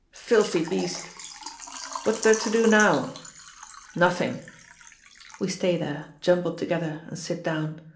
Filthy beast!" "What's there to do now?" "Nothing." We stay there, jumbled together, and sit down.